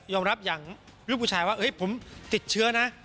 ยอมรับอยากรูปผู้ชายว่าผมติดเชื้อนะ